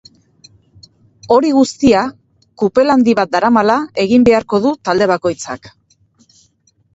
Hori guztia kupel handi bat daramala egin beharko du talde bakoitzak.